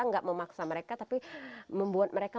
nggak memaksa mereka tapi membuat mereka